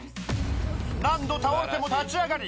何度倒れても立ち上がり